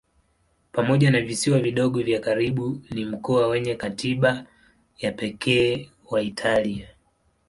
Pamoja na visiwa vidogo vya karibu ni mkoa wenye katiba ya pekee wa Italia.